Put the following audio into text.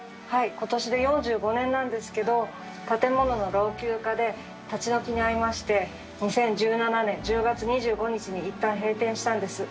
今年で４５年なんですけど建物の老朽化で立ち退きにあいまして２０１７年１０月２５日にいったん閉店したんです。